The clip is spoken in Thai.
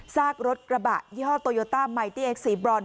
ซากรถกระบะยี่ห้อโตโยต้าไมตี้เอ็กซีบรอน